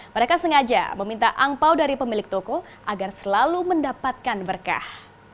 mereka sengaja meminta angpao dari pemilik toko agar selalu mendapatkan berkah